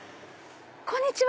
こんにちは！